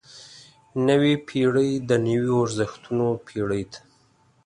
نوې پېړۍ د نویو ارزښتونو پېړۍ ده.